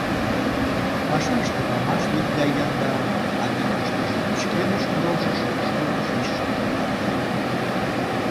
Пашаште памаш вӱд гай яндар, а мӧҥгыштыжӧ пычкемыш рожыш шылын шичше коля гай.